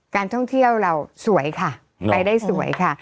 การท่องเที่ยวเราสวยค่ะไปได้สวยค่ะ